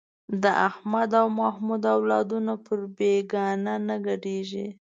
د احمد او محمود اولادونه پر بېګانو نه ګډېږي.